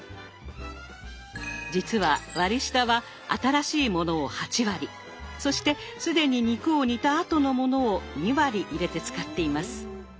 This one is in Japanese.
実は割り下は新しいものを８割そして既に肉を煮たあとのものを２割入れて使っています。